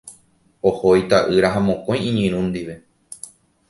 Oho ita'ýra ha mokõi iñirũ ndive.